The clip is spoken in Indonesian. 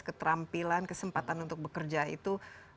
keterampilan kesempatan untuk bekerja itu